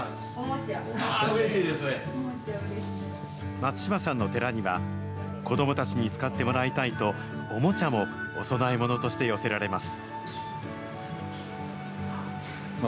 松島さんの寺には、子どもたちに使ってもらいたいと、おもちゃもお供えものとして寄せられます。